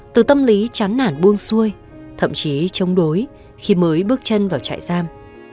từ tâm lý chán nản buông xuôi thậm chí chống đối khi mới bước chân vào trại giam